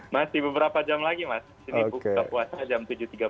masih beberapa jam lagi mas ini buka puasa jam tujuh tiga puluh